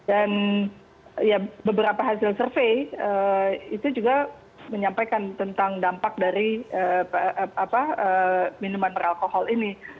dan beberapa hasil survei itu juga menyampaikan tentang dampak dari minuman beralkohol ini